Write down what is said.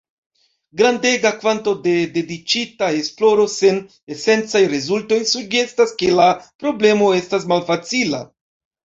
Grandega kvanto de dediĉita esploro sen esencaj rezultoj sugestas ke la problemo estas malfacila.